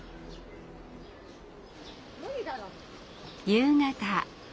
夕方。